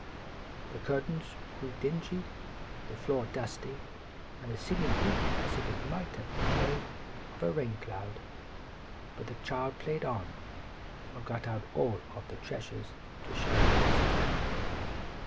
The curtains grew dingy, the floor dusty, and the ceiling looked as if it might have been made of a rain cloud; but the child played on, and got out all her treasures to show to her visitor.